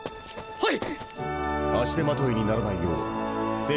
はい！